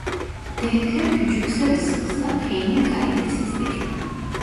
Delikler küçükse ve sıksa peynir kalitesizdir.